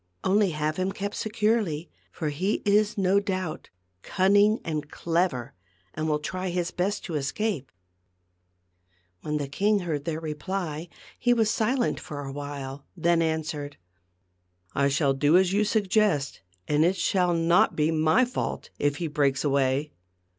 Only have him kept securely ; for he is no doubt cunning and clever, and will try his best to escape." When the king had heard their reply, he was silent for a while, and then answered :" I will do as you suggest, and it shall not be my fault if he breaks away.